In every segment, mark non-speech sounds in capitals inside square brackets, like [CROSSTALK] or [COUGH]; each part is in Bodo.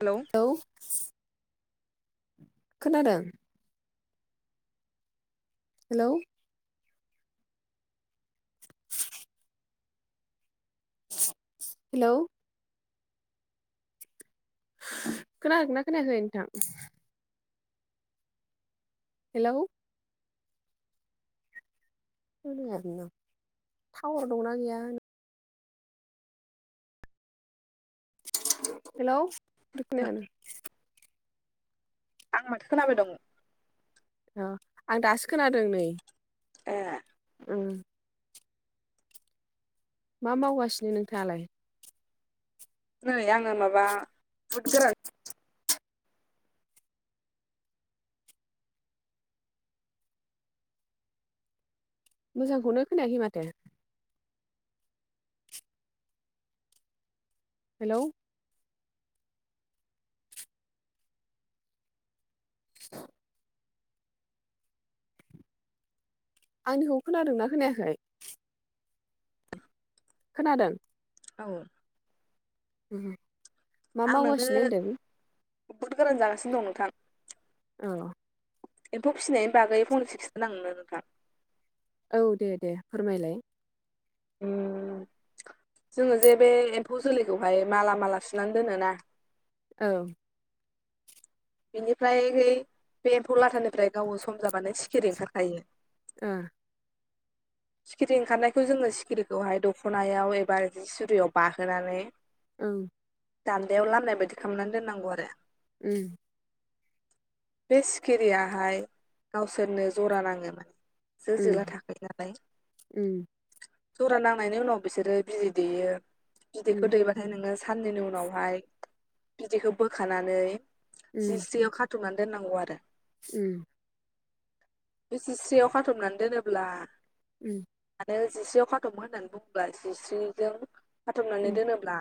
हेलौ हेलौ खोनादों? हेलौ हेलौ खोनादोंना खोनायाखै नोंथां? हेलौ खोनायानो थां टावार दंना गैया हेलौ खोनायानो आं माथो खोनाबाय दं। आं दासो खोनादों नै ए उम मा मावगासिनो नोंथाङालाय? नै आङो माबा बुद गोरान मोजांखौनो खोनायाखै माथो हेलौ [INAUDIBLE] आंनिखौ खोनादोंना खोनायाखै? खोनादों औ [UNINTELLIGIBLE] मा आं नानो मावगासिनो होनदों बुद गोरान जागासिनो दं नोंथां औ एम्फौ फिनायनि बागै फंनैसो [UNINTELLIGIBLE] नोंथां औ दे दे फोरमायलाय उम जोङो जे बे एम्फौ जोलैखौहाय माला माला सुनानै दोनोना औ बिनिफ्राय बे एम्फौ लाथानिफ्राय गावो सम जाबानो सिखिरि ओंखार खायो। ओ सिखिरि ओंखारनायखौ जोङो सिखिरिखौहाय दख नायाव एबा बिदिनो सुरियाव बाहोनानै औ दान्दायाव लामनाय बायदि खालामनानै दोननांगौ आरो उम बे सिखिरियाहाय गावसोरनो जरा नाङो। जो उम जोला थाखायो नालाय उम जरा नांनायनि उनाव बिसोरो बिदै दैयो बिदैखौ उम दैबा [UNINTELLIGIBLE] नोङो साननैनि उनावहाय बिदैखौ बोखानानै उम जिसरियाव खा थुमना दोननांगौ आरो उम बे जिस्रियाव खाथबनानै दोनोब्ला उम आरो जिसेयाव खाथब होननानै बुङोब्ला [UNINTELLIGIBLE] उम खाथबनानै दोनोब्ला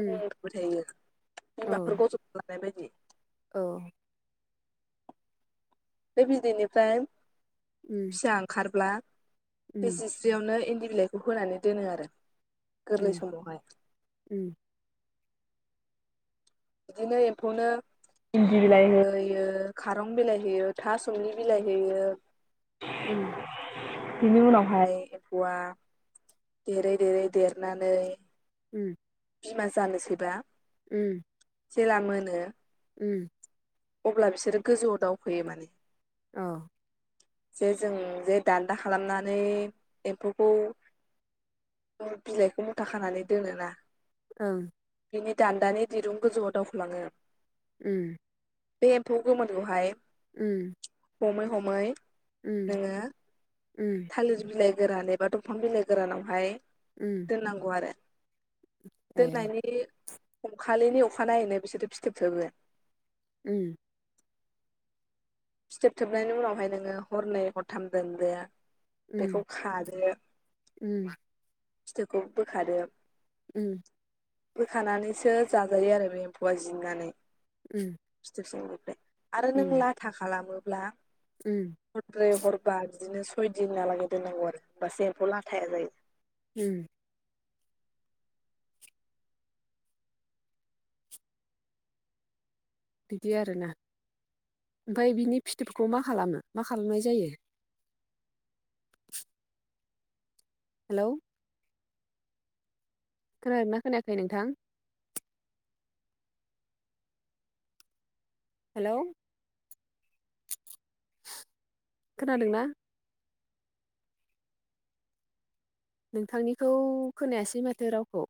उम [UNINTELLIGIBLE] थायो औ बिमाफोर गजब लानाय बायदि। औ बे बिदैनिफ्राय उम फिसा ओंखारब्ला उम बेसिस जियावनो इन्दि बिलाइखौ होनानै दोनो आरो गोरलै उम समावहाय उम बिदिनो एम्फौनो इन्दि बिलाइ हैयो खारं बिलाइ होयो थासमलि बिलाइ हैयो। उम बिनि उनावहाय एम्फौआ देरै देरै देरनानै उम बिमा जानोसैबा उम जेला मोनो उम अब्ला बिसोरो गोजौआव दावफैयो माने। औ जे जों जे दान्दा खालामनानै एम्फौखौ बिलाइखौ मुथा खानानै दोनोना? ओं बिनि दान्दानि दिरुं गोजौआव दावखो लांङो। उम बे एम्फौ गोमोनखौहाय उम हमै हमै उम नोंङो उम थालिर बिलाइ गोरान एबा दंफां बिलाइ गोरानावहाय उम होनांगौ आरो ए दोननायनि हमखालिनि अखानायैनो बिसोरो फिथोब थोबो। उम फिथोबथोबनायनि उनावहाय नोङो हरनै हरथाम दोनदो। उम बेखौ खाग्रो उम फिथोबखौ बोखादो। उम बोखानानैसो जाजायो आरो बे एम्फौआ जिननानै उम फिथोब सिंनिफ्राय आरो नों उम लाथा खालामोब्ला उम हरब्रै हरबा बिदिनो सयदिनालागै दोननांगौ आरो होमबासो एम्फौ लाथाया जायो। उम बिदि आरोना ओमफाय बिनि फिथोबफोरखौ मा खालामो मा खालामनाय जायो? हेलौ खोनादो ना खोनायाखै नोंथां? हेलौ खोनादोंना? नोंथांनिखौ खोनायासै माथो रावखौ